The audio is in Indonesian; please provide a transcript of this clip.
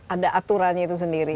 ada aturannya itu sendiri